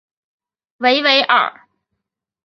维维尔。